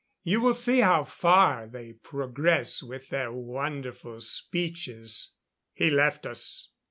You will see how far they progress with their wonderful speeches." He left us.